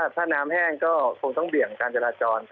ถ้าน้ำแห้งก็คงต้องเบี่ยงการจราจร